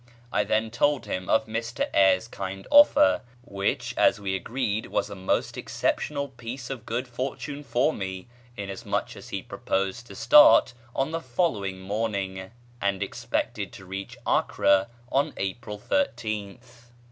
I then told him of Mr Eyres' kind offer; which, as we agreed, was a most exceptional piece of good fortune for me, inasmuch as he proposed to start on the following morning, and expected to reach Acre on April 13th.